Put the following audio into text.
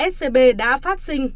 scb đã phát sinh